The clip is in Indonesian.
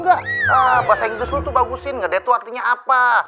ah bahasa inggris lo tuh bagusin ngedate tuh artinya apa